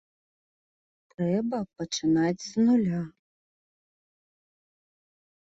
Трэба пачынаць з нуля.